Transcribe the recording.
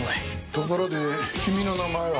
ところで君の名前は？